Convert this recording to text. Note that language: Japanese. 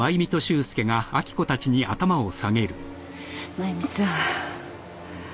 真弓さん。